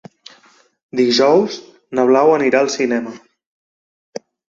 Dijous na Blau anirà al cinema.